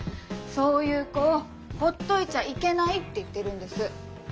そういう子をほっといちゃいけないって言ってるんです。